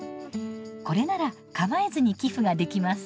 これなら構えずに寄付ができます。